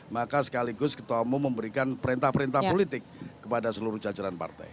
maka sekaligus ketemu memberikan perintah perintah politik kepada seluruh cacaran partai